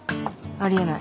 あり得ない。